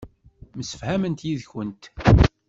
Msefhament yid-kent.